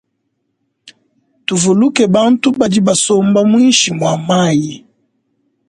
Tuvuluke bantu badi basomba mwinshi mwa mayi.